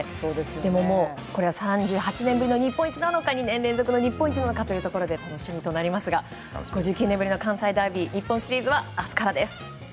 でも、これは３７年ぶりの日本一なのか２年連続の日本一なのかで楽しみになりますが５９年ぶりの関西ダービー日本シリーズは明日からです。